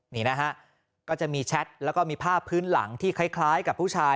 นี่นะฮะก็จะมีแชทแล้วก็มีภาพพื้นหลังที่คล้ายกับผู้ชาย